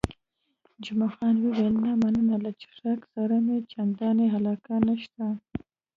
جمعه خان وویل، نه مننه، له څښاک سره مې چندانې علاقه نشته.